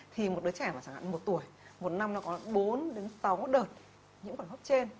thì một đứa trẻ vào chẳng hạn một tuổi một năm nó có bốn sáu đợt những bệnh hốp trên